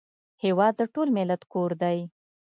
هېواد د ټول ملت کور دی